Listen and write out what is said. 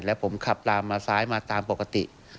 แล้วผมขับลามมาซ้ายมาตามปกติ